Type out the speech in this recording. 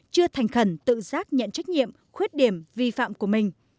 chưa thành khẩn tự giác nhận trách nhiệm khuyết điểm vi phạm của mình